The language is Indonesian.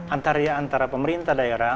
antara pemerintah daerah